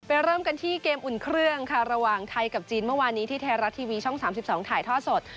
เริ่มกันที่เกมอุ่นเครื่องค่ะระหว่างไทยกับจีนเมื่อวานนี้ที่ไทยรัฐทีวีช่อง๓๒ถ่ายท่อสด